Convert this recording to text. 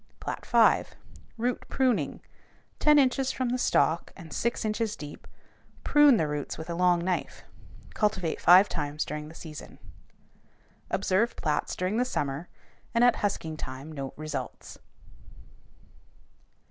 Plat 5. Root pruning: ten inches from the stalk and six inches deep, prune the roots with a long knife. Cultivate five times during the season. Observe plats during the summer, and at husking time note results.